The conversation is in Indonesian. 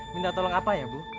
minta tolong apa ya bu